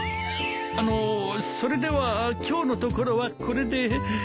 あのそれでは今日のところはこれで。